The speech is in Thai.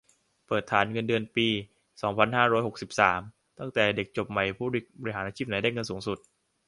เปิดฐานเงินเดือนปี สองพันห้าร้อยหกสิบสาม ตั้งแต่เด็กจบใหม่ผู้บริหาร อาชีพไหนได้เงินสูงสุด